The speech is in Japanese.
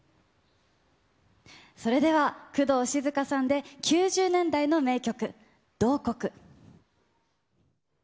それでは工藤静香さんで、９０年代の名曲、慟哭。